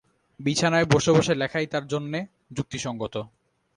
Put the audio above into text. বিছানায় বসে বসে লেখাই তার জন্যে যুক্তিসঙ্গত।